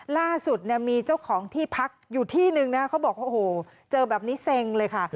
ล่าสุดเนี่ยมีเจ้าของที่พักอยู่ที่นึงนะเขาบอกว่าโอ้โหเจอแบบนี้เซ็งเลยค่ะ